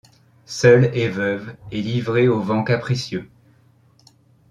Seule et veuve, et livrée aux vents capricieux